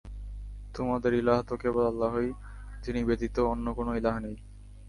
তোমাদের ইলাহ তো কেবল আল্লাহই, যিনি ব্যতীত অন্য কোন ইলাহ নেই।